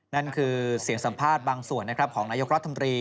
นั่นคือเสียงสัมภาษณ์บางส่วนนะครับของนายกรัฐมนตรี